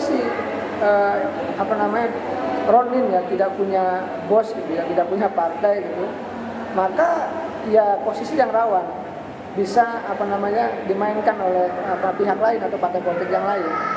sebenarnya kalau posisi ronin tidak punya bos tidak punya partai maka posisi yang rawan bisa dimainkan oleh pihak lain atau partai politik yang lain